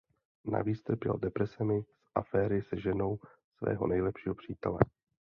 Navíc trpěl depresemi z aféry se ženou svého nejlepšího přítele.